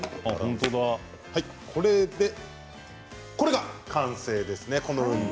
これが完成ですね。